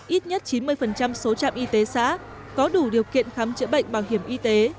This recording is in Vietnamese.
ít nhất chín mươi số trạm y tế xã có đủ điều kiện khám chữa bệnh bảo hiểm y tế